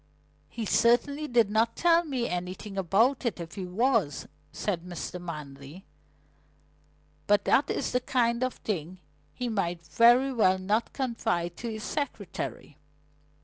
"He certainly did not tell me anything about it if he was," said Mr. Manley. "But that is the kind of thing he might very well not confide to his secretary."